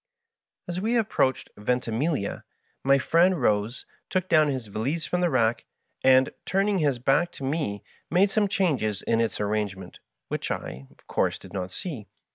As we approached Ventimiglia my friend rose, took down his valise from the rack, and, turning his. back to me, made some changes in its arrangement, which I, of course, did not see.